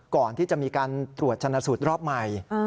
ก่อนที่จะมีการตรวจชนะสูตรรอบใหม่